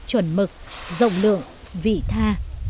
chuẩn mực rộng lượng vị tha